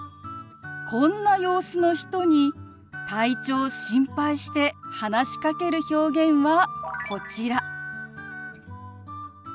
こんな様子の人に体調を心配して話しかける表現はこちら。